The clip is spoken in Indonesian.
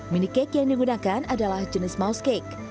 mini cake yang digunakan adalah jenis mouse cake